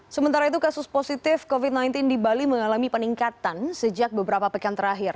sementara itu kasus positif covid sembilan belas di bali mengalami peningkatan sejak beberapa pekan terakhir